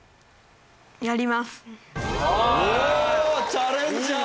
チャレンジャー！